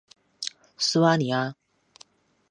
苏阿尼阿。